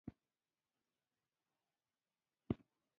په مسایلو کې یې له مستقیمې لاس وهنې څخه ځانونه ژغورل.